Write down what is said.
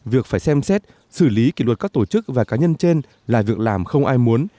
việc phải xem xét xử lý kỷ luật các tổ chức và cá nhân trên là việc làm không ai muốn